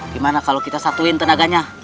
gimana kalau kita satuin tenaganya